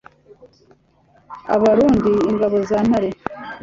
abarundi ingabo za ntare